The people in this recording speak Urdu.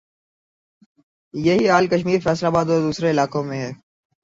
یہ ہی حال کشمیر، فیصل آباد اور دوسرے علاقوں میں ھے